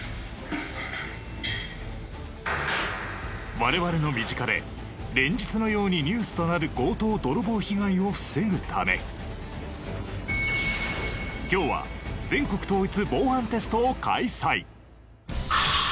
我々の身近で連日のようにニュースとなる今日は全国統一防犯テストを開催。